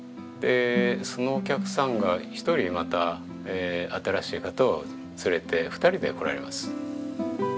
でそのお客さんが１人また新しい方を連れて２人で来られます。